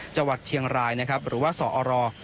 จังหวัดเชียงรายนะครับหรือว่าสอร